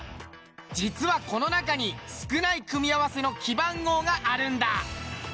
実はこの中に少ない組み合わせの記番号があるんだ。